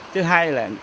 thứ hai là